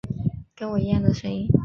跟我一样的声音